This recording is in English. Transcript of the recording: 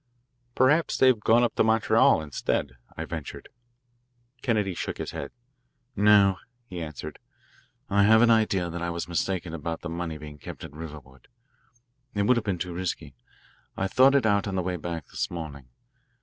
"Perhaps they have gone up to Montreal, instead," I ventured. Kennedy shook his head. "No," he answered. "I have an idea that I was mistaken about the money being kept at Riverwood. It would have been too risky. I thought it out on the way back this morning.